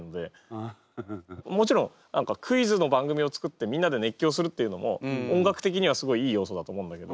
もちろん何かクイズの番組を作ってみんなで熱狂するっていうのも音楽的にはすごいいい要素だと思うんだけど。